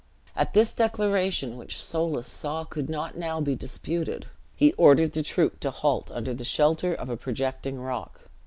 At this declaration, which Soulis saw could not now be disputed, he ordered the troop to halt under the shelter of a projecting rock.